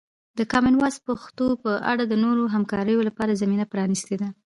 د کامن وایس پښتو په اړه د نورو همکاریو لپاره زمینه پرانیستې ده.